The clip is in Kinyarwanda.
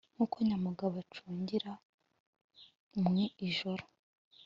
Nuko nyamugabo agucungira mu ijoro